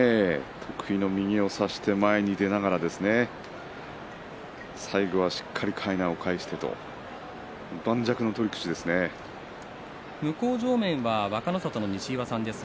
得意の右を差しながら前に出ながら最後は、しっかりかいなを返してと盤石の取り口向正面は若の里の西岩さんです。